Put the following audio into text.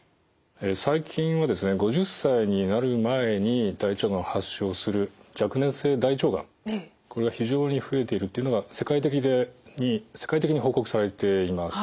最近は５０歳になる前に大腸がんを発症する若年性大腸がんこれが非常に増えているというのが世界的に報告されています。